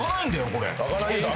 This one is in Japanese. これ。